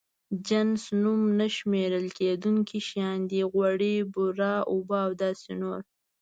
جنس نوم نه شمېرل کېدونکي شيان دي: غوړي، بوره، اوبه او داسې نور.